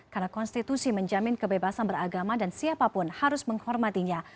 karena konstitusi menjamin kebebasan beragama dan siapapun harus menghormatinya